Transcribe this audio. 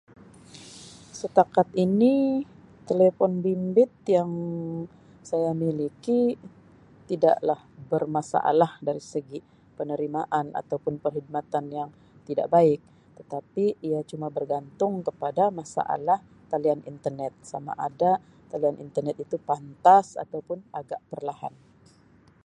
Setakat ini telefon bimbit yang saya miliki tidak lah bermasalah dari segi penerimaan atau pun perkhidmatan yang tidak baik tetapi ia cuma bergantung kepada masalah talian internet sama ada talian internet itu pantas atau pun agak perlahan.